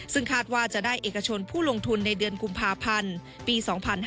ซึ่งคาดว่าจะได้เอกชนผู้ลงทุนในเดือนกุมภาพันธ์ปี๒๕๕๙